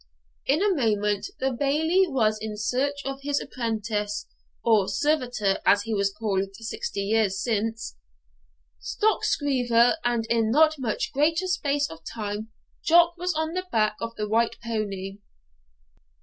In a moment the Bailie was in search of his apprentice (or servitor, as he was called Sixty Years Since), Jock Scriever, and in not much greater space of time Jock was on the back of the white pony.